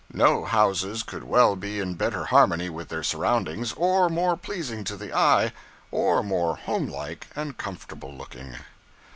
No houses could well be in better harmony with their surroundings, or more pleasing to the eye, or more home like and comfortable looking.